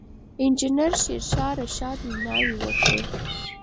انجنیر شېرشاه رشاد ویناوې وکړې.